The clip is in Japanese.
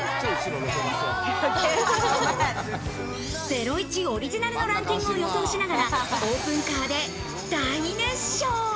『ゼロイチ』オリジナルのランキングを予想しながらオープンカーで大熱唱。